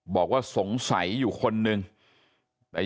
บอกว่าสงสัยอยู่คนหนึ่งแต่ยังพูดชัดเจนไม่ได้